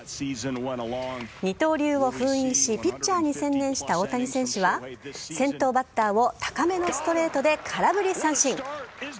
二刀流を封印し、ピッチャーに専念した大谷選手は、先頭バッターを高めのストレートで空振り三振。